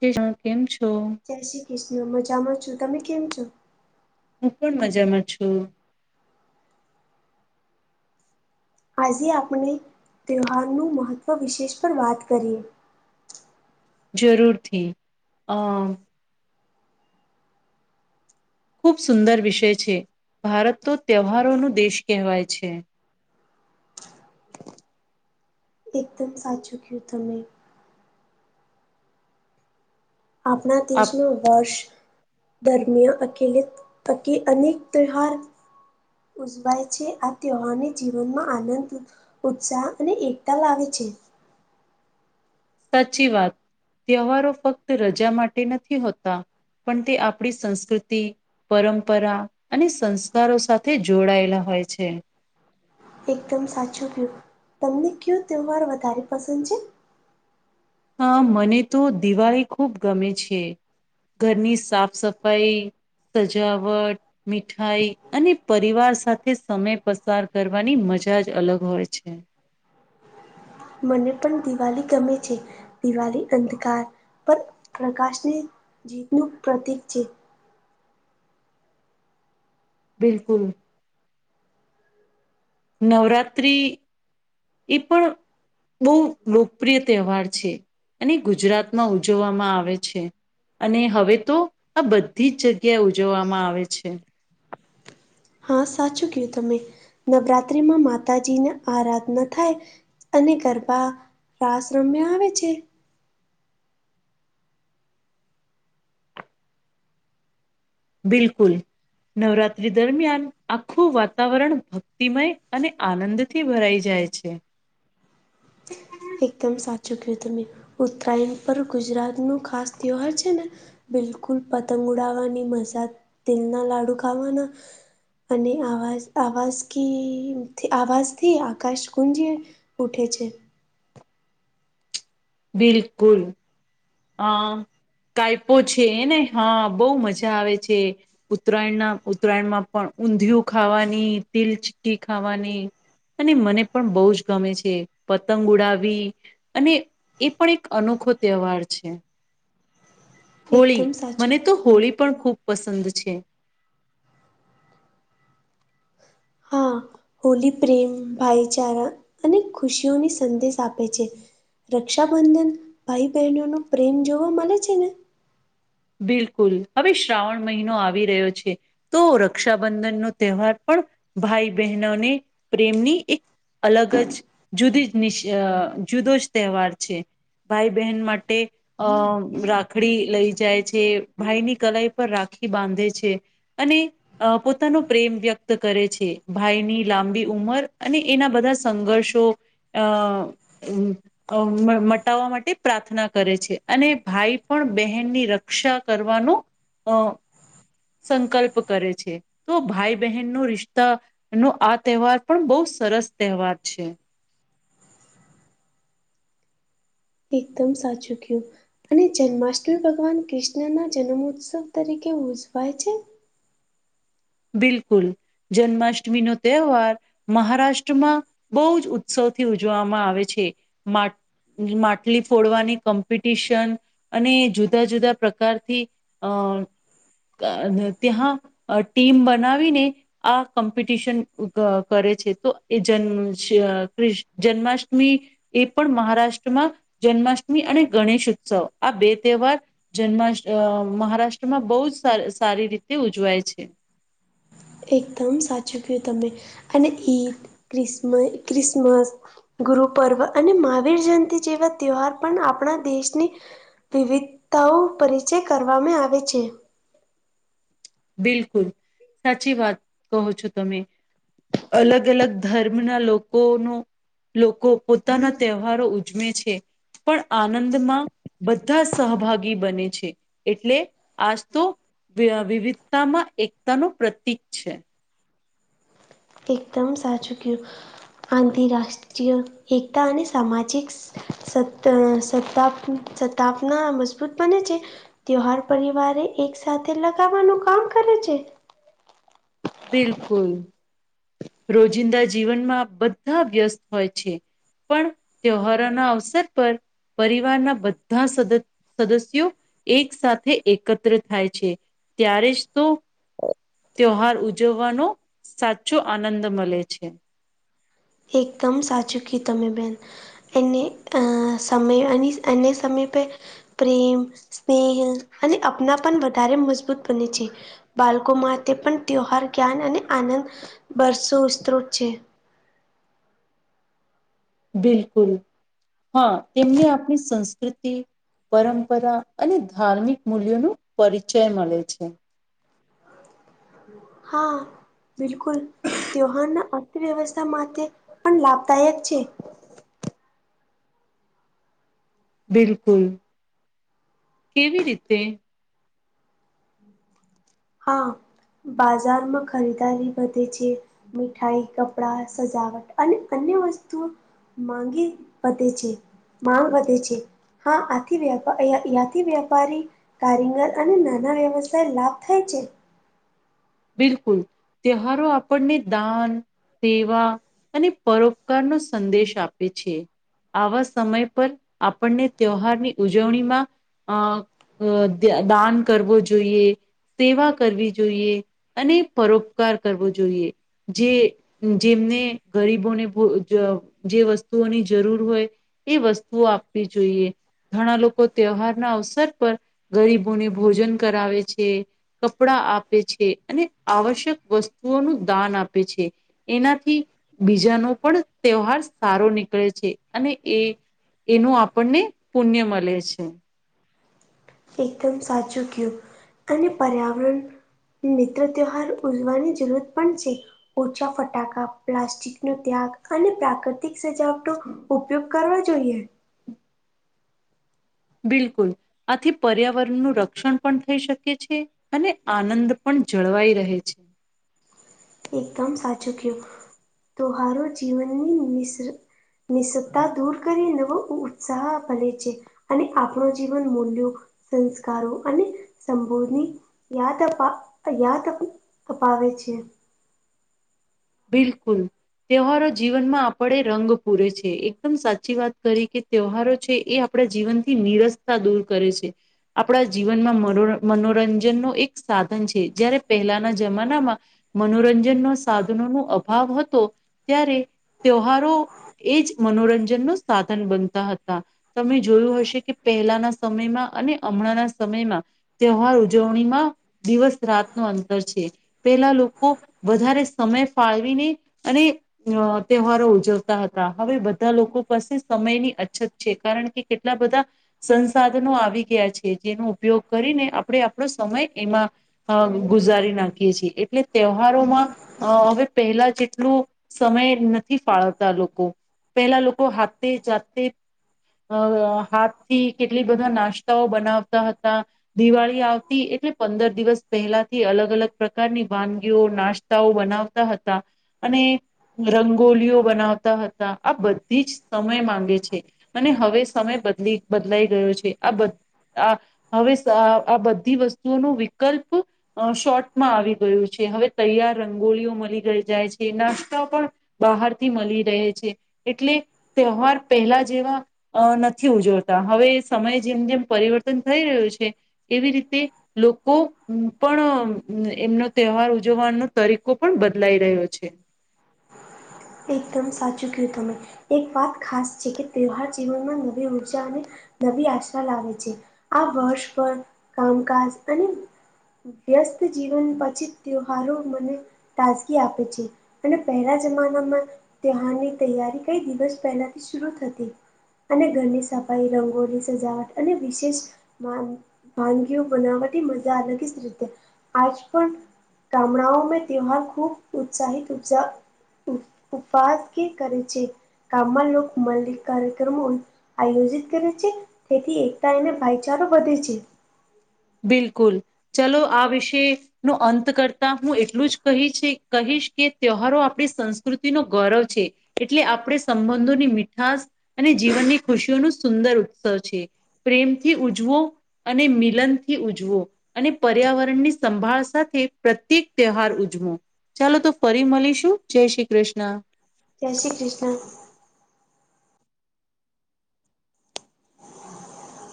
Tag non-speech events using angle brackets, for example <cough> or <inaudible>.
<unintelligible> કેમ છો. જય શ્રી કૃષ્ણ મજામાં છું તમે કેમ છો. હું પણ મજામાં છું. આજે આપણે ત્યોહારનું મહત્ત્વ વિશેષ પર વાત કરીએ. જરૂરથી અ ખૂબ સુંદર વિષય છે ભારત તો તહેવારોનો દેશ કહેવાય છે. એકદમ સાચું કિયું તમેં. આપણા આપ દેશમાં વર્ષ ધર્મીય અખિલિત અકી અનેક તહેવાર ઉજવાય છે આ તહેવારને જીવનમાં આનંદ ઉત્સાહ અને એકતા લાવે છે. સાચી વાત તહેવારો ફક્ત રજા માટે નથી હોતા. પણ તે આપણી સંસ્કૃતિ પરંપરા અને સંસ્કારો સાથે જોડાયેલા હોય છે. એકદમ સાચું પ્ય્યું તમને કયો તહેવાર વધારે પસંદ છે. હા મને તો દિવાળી ખૂબ ગમે છે. ઘરની સાફ સફાઈ સજાવટ મીઠાઈ અને પરિવાર સાથે સમય પસાર કરવાની મજા જ અલગ હોય છે. મને પણ દિવાળી ગમે છે દિવાળી અંધકાર પર પ્રકાશને જીતનું પ્રતિક છે. બિલકુલ. નવરાત્રિ એ પણ બહુ લોકપ્રિય તહેવાર છે અને ગુજરાતમાં ઉજવવામાં આવે છે. અને હવે તો આ બધી જ જગ્યાએ ઉજવવામાં આવે છે. હા સાચું કયું તમે નવરાત્રીમાં માતાજીને આરાધના થાય અને ગરબા રાસ રમ્યા આવે છે બિલકુલ નવરાત્રી દરમિયાન આખું વાતાવરણ ભક્તિમય અને આનંદ થી ભરાઈ જાય છે <unintelligible> એકદમ સાચું કહું તમે ઉત્તરાયણ પર ગુજરાતનું ખાસ ત્યવાર છેને. બિલકુલ પતંગ ઉડાાવવાની મસા તેલના લાડુ ખાવાના અને આવાજ આવાજ ક આવાજથી આકાશ કુંજી ઉઠે છે. બિલકુલ અ કાયપો છેને હા બહુ મજા આવે છે. ઉત્તરાયણના ઉત્તરાયણમાં પણ ઊંધિય ખાવાની તિલચીકી ખાવાની અને મને પણ બહુ જ ગમે છે પતંગ ઉડાવી અને એ પણ એક અનોખો તહેવાર છે. હોળી એકદમ સાચું મને તો કયું તમે હોળી પણ ખૂબ પસંદ છે. હા હોલી પ્રેમ ભાઈચારા અને ખુશીઓની સંદેશ આપે છે. રક્ષાબંધન ભાઈ બહેનો ન પ્રેમ જોવા મળે છેને. બિલકુલ હવે શ્રાવણ મહિનો આવી રહ્યો છે. તો રક્ષાબંધન નો તહેવાર પણ ભાઈ બહેનોને પ્રેમની એક અલગ જ જુદી જ જુદો જ તહેવાર છે. ભાઈ બહેન માટે અ રાખડી લઈ જાય. છે ભાઈ ની કલાઈ પર રાખી બાંધે છે, અને અ પોતાનો પ્રેમ વ્યક્ત કરે છે, ભાઈની લાંબી ઉંમર અને એના બધા સંઘર્ષો અ અ મટાવવા માટે પ્રાર્થના કરે છે, અને ભાઈ પણ બહેનની ર કક્ષા કરવાનું અ સંકલ્પ કરે છે, તો ભાઈ બહેન નો રિશ્તા એનો આ તહેવાર પણ બહુ સરસ તહેવાર છે. એકદમ સાચું કયું અને જન્માષ્ટમી ભગવાન કૃષ્ણના જન્મોત્સવ તરીકે ઉજવાય છે. બિલકુલ જન્માષ્ટમી નો તહેવાર મહારાષ્ટ્રમાં બહુ જ ઉત્સવથી ઉજવામાં આવે છે. માટલી ફોડવાની કોમ્પિટિશન અને જુદા જુદા પ્રકારથી અ ત્યા ટીમ બનાવીને આ કોમ્પિટિશન કરે છે તો એ જમ જન્માષ્ટમી એ પણ મહારાષ્ટ્રમાં જન્માષ્ટમી અને ગણેશ ઉત્સવ આ બે તહેવાર જન્મા મહારાષ્ટ્રમાં બહુ જ સારી રીતે ઉજવાય છે. એકદમ સાચું કયું તમે અને ઈદ ક્રિસમ ક્રિસમસ ગુરુ પર્વ અને મહાવીર જયંતિ જેવા તહેવાર પણ આપણા દેશની વિવિધતાઓ પરિચય કરવામાં આવે છે. બિલકુલ સાચી વાત કહો છો, તમે અલગ અલગ ધર્મના લોકોનો. લોકો પોતાના તહેવારો ઉજમે છે. પણ આનંદમાં બધા સહભાગી બને છે. એટલે આજ તો વિવિધતામાં એકતાનું પ્રતીિક છે. એકદમ સાચું કું આંતરરાષ્ટ્રીય એકતા અને સામાજિક સત સતા સતાપના મજબૂત બને છે. ત્ય હર પરિવારે એક સાથેથે લગાવવાનું કામ કરે છે. બિલકુલ રોજિંદા જીવનમાં બધા વ્યસ્ત હોય છે. પણ તહેવારોના અવસર પર પરિવારના બધા સદ સદસ્યો એક સાથે એકત્ર થાય છે. ત્યારે જ તો ત્યહાર ઉજવવાનો સાચો આનંદ મળે છે. એકદમ સાચું કી તમે બેન. એને અ સમયે એન્ય એને સમય પે પ્રેમ સ્નેહ અને અપનાપન વધારે મજબૂત બને છે. બાલકો માટે પણ ત્યહાર જ્ઞાન અને આનંદ બરસો સ્ત્રોત છે. બિલકુલ, હા તેમને આપણી સંસ્કૃતિ પરંપરા અને ધાર્મિક મૂલ્યોનું પરિચય મલે છે. હા, બિલકુલ. ત્યહારના અર્થવ્યવસ્થા માતે પણ લાભદાયક છે. બિલકુલ. કેવી રીતે? હા, બાજારમાં ખરીદારી બધે છે. મીઠાઈ, કપડા, સજાવટ અને અન્ય વસ્તુઓ માંગી વધે છે. માંગ વધે છે. હા આથી વપ યાથી વ્યાપારી, કારીગર અને નાના વ્યવસાય લાભ થાય છે. બિલકુલ, તેહવારો આપણને દાન સેવા અને પરોપકાર નો સંદેશ આપે છે. આવા સમય પર આપણને ત્યોહારની ઉજવણીમાં અ અ દાન કરવો જોઈએ, સેવા કરવી જોઈએ. અને પરોપકાર કરવો જોઈએ. જે જેમને ગરીબોને ભોજ જે વસ્તુઓની જરૂર હોય એ વસ્તુઓ આપવી જોઈએ. ઘણા લોકો ત્યોહારના અવસર પર ગરીબોને ભોજન કરાવે છે. કપડા આપે છે અને આવશ્યક વસ્તુઓનું દાન આપે છે. એનાથી બીજાનો પણ ત્યોહાર સારો નીકળે છે અને એ એનો આપણને પુણ્ય મલે છે. એકદમ સાચું ક્યું અને પર્યાવરણ મિત્ર ત્યોહાર ઉજવાની જરૂરત પણ છે. ઓછા ફટાકા, પ્લાસ્ટિકનો ત્યાગ અને પ્રાક તિક સજાવ તો ઉપયોગ કરવા જોઈએ. બિલકુલ આથી પર્યાવરણનું રક્ષણ પણ થઈ શકે છે. અને આનંદ પણ જળવાઈ રહે છે. એકદમ સાચું ક્યો. તો હારુ જીવનની મિસ નિસ્ત્તા દૂર કરીને વ ઉત્સાહ બવે છે. અને આપણો જીવન મૂલ્યો, સંસ્કારો અને સંબોધની યાદ અ પા યાદ અપાવે છે. બિલકુલ, ત્યોહારો જીવનમાં આપણે રંગ પૂરે છે. એકદમ સાચી વાત કરી કે ત્યોહારો છે એ આપણા જીવન થી નિરસતા દૂર કરે છે. આપણા જીવનમાં મનો મનોરંજન નો એક સાધન છે જ્યારે પેહલાના જમાનામાં મનોરંજન નો સાધનો નો અભાવ હતો ત્યારે ત્યોહારો એ જ મનોરંજન નો સાધન બનતા હતા. તમે જોયું હશે કે પેહલાના સમયમાં અને હમણાંના સમયમાં ત્યોહાર ઉજવણીમાં દિવસ રાત ન અંતર છે. પેલા લોકો વધારે સમય ફાળવીને અને અ ત્યોહારો ઉજવતા હતા હવે બધા લોકો પાસે સમયની અછત છે કારણ કે કેટલા બધા સંસાધનો આવી ગયા છે જેનો ઉપયોગ કરીને આપણે આપણો સમય એમાં અ ગુઝારી નાખીએ છીએ એટલે ત્યોહારોમાં અ હવે પેહલા જેટલું સમય નથી ફાળવતા લોકો. પેલા લોકો હાતે જાતે અ હાથ થી કેટલી બધા નાસ્તાઓ બનાવતા હતા. દિવાળી આવતી એટલે પંદર દિવસ પહેલાથી અલગ અલગ પ્રકારની વાનગીઓ નાસ તાઓ બનાવતા હતા અને રંગોલીઓ બનાવતા હતા આ બધી જ સમય માંગે છે. અને હવે સમય બદલી બદલાઈ ગયો છે, આ બ આ હવે આ બધી વસ્તુઓ નુ વિકલ્પ અ શોર્ટમાં આવી ગયું છે, હવે તૈયા રંગોળઓ મલી રઈ જાય છે, નાસ્તા પણ બહારથી મલી રહે છે, એટલે તયોહાર પહેલા જેવા અ નથી ઉજવતા હવે સમયે જેમ જેમ પરિવર્તન થઈ રહ્યું છે. એવી રીતે લોકો પણ એમનો તહેવાર ઉજવવાનો તરીકો પણ બદલાઈ રહ્યો છે. એકદમ સાચું કહું તમે એક વાત ખાસ છે, કે તહેવાાર જીવનમાં નવી ઊર્જા અને નવી આશા લાવે છે, આ વર્ષ પર કામકાજ અને વ્યસ્ત જીવન પાછી ત્યહારો મને તાજગી આપે છે, અને પહેલા જમા <unintelligible> તહારની તૈયારી કઈ દિવસ પહેલાથી શુરુ થતી અને ઘરની સફાઈ રંગોળી સજાવટ અને વિશેષ વાન વાનગીઓ બનાવાટી મજા અલગી જ રીતે આજ પણ ગામડાઓ મે ત્યવહાર ખૂબ ઉત્સાહિત ઉત્સા ઉ ઉપાસ કે કરે છે, ગામમાં લોક મલ્લી કાર્યક્રમ આયોજિત કરે છે, તેથી એકતા એને ભાઈચારો વધે છે. બિલકુલ ચલો આ વિશે નો અંત કરતા હું એટલું જ કહી છે, કહીશ કે તહેવાારો આપણી સંસ્કૃતિ નો ગૌરવ છે. એટલે આપણે સંબંધોની મીઠાસ અને જીવનની ખુશીઓ નુ સુંદર ઉત્સવ છે. પ્રેમથી ઉજવો અને મિલન થી ઉજવો અને પર્યાવરણની સંભાળ સાથે પ્રત્યેક તહેવાાર ઉજમો ચાલો તો ફરી મલીશું જય શ્રી કૃષ્ણ જય શ્રી કૃષ્ણ